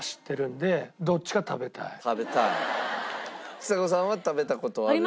ちさ子さんは食べた事あるやつ。